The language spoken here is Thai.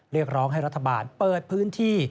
เรียกร้องให้รัฐบาลเปิดพื้นที่